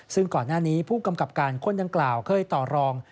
ซึ่งก่อนหน้านี้ผู้กำกับการคนดังกล่าวเคยต่อรอง